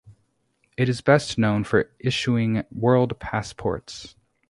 It is best known for issuing World Passports.